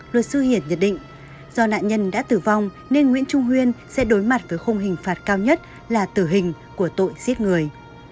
luật sư hiển nhận định do nạn nhân đã tử vong nên nguyễn trung huyên sẽ đối mặt với khung hình phạt cao nhất là tử hình của tội giết người